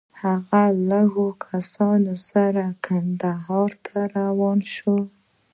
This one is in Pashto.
هغه له لږو کسانو سره کندهار ته روان شو.